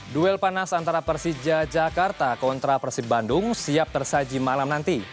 duel panas antara persija jakarta kontra persib bandung siap tersaji malam nanti